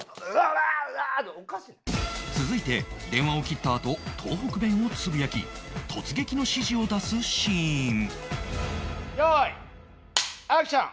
続いて電話を切ったあと東北弁をつぶやき突撃の指示を出すシーン用意アクション！